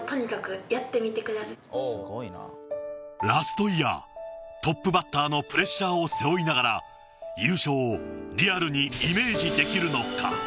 ラストイヤートップバッターのプレッシャーを背負いながら優勝をリアルにイメージできるのか？